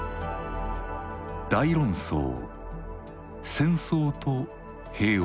「大論争戦争と平和」。